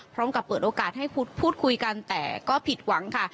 เปิดโอกาสให้พูดคุยกันแต่ก็ผิดหวังค่ะ